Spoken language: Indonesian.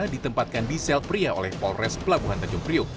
ditempatkan di selpriya oleh polres pelabuhan tanjung priok